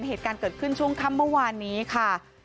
เหตุการณ์เกิดขึ้นช่วงค่ำเมื่อวานนี้ค่ะ